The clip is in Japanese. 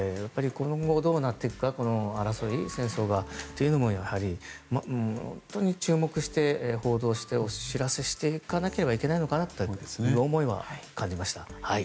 今後どうなっていくかこの戦争がというのも注目して報道してお知らせしていかないといけないのかなっていう思いは感じました。